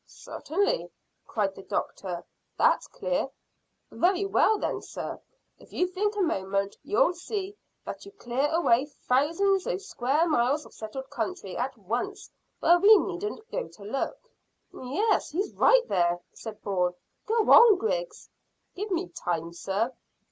"Certainly," cried the doctor; "that's clear." "Very well, then, sir; if you think a moment you'll see that you clear away thousands o' square miles of settled country at once, where we needn't go to look." "Yes, he's right there," said Bourne. "Go on, Griggs." "Give me time, sir.